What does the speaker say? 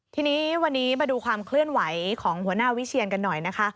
ทีนี้วันนี้มาดูความเคลื่อนไหวของหัวหน้าวิเชียนกันหน่อยนะคะ